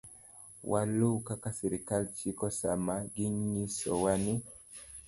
Waluw kaka sirkal chiko sama ginyisowa ni